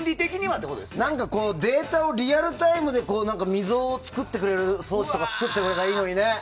データをリアルタイムで溝を作ってくれる装置とか作ってくれたらいいのにね。